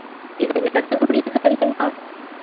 இது நடக்கக்கூடிய காரியமா?